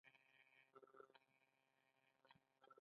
قضایه قوه عدالت تامینوي